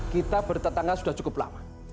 kita bertetangga sudah cukup lama